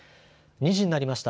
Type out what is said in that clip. ２時になりました。